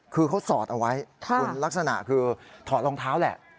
คือเขาสอดเอาไว้คุณลักษณะคือถอดรองเท้าแหละ